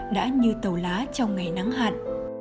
đã như tàu lá trong ngày nắng hạn